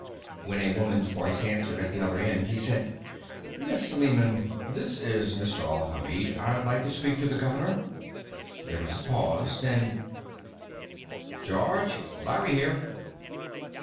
When a woman's voice answered at the other end, he said: "Miss Lehman, this is Mr. Alhamid. I'd like to speak to the governor." There was a pause. Then: "George? Larry here."